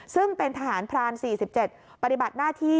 ซึ่งเป็นทหารพราน๔๗ปฏิบัติหน้าที่